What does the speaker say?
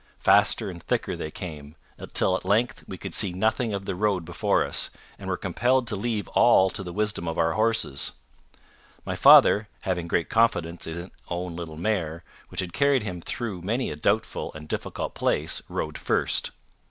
Faster and thicker they came, until at length we could see nothing of the road before us, and were compelled to leave all to the wisdom of our horses. My father, having great confidence in his own little mare, which had carried him through many a doubtful and difficult place, rode first.